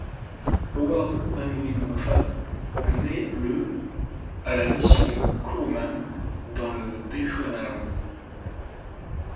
Howard Unwin Moffat naît le à la mission Kuruman dans le Bechuanaland.